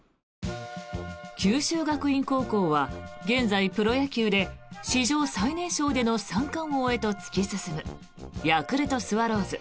九州学院高校は現在、プロ野球で史上最年少での三冠王へと突き進むヤクルトスワローズ